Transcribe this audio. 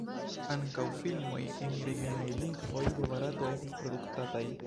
Ankaŭ filmoj en regionaj lingvoj de Barato estas produktataj.